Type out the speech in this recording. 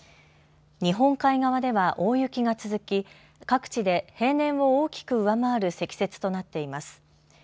日本海側では大雪が続き各地で平年を大きく上回る積雪となっています。